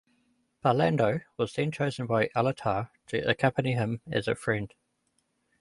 Pallando was then chosen by Alatar to accompany him as a friend.